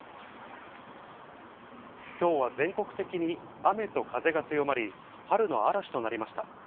きょうは全国的に雨と風が強まり、春の嵐となりました。